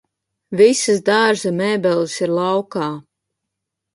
Visas dārza mēbeles ir laukā